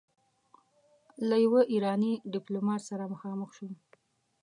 له يوه ايراني ډيپلومات سره مخامخ شوم.